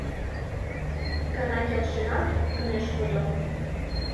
Икана келшенат, ынеж кодо.